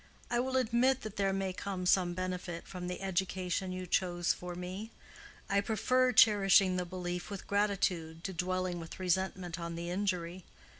I will admit that there may come some benefit from the education you chose for me. I prefer cherishing the benefit with gratitude, to dwelling with resentment on the injury.